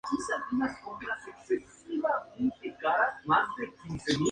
Presenta el lorum de color negro, lo que da nombre a la especie.